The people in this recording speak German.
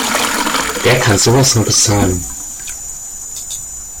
Wer kann sowas nur bezahlen?